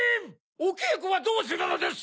おけいこはどうするのです！